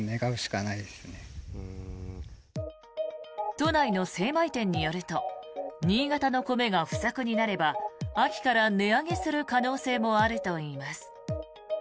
都内の精米店によると新潟の米が不作になれば秋から値上げする可能性もあるといいます。